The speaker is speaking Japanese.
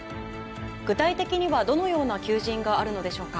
具体的にはどのような求人があるのでしょうか。